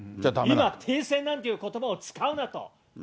今停戦なんていうことばを使うなと。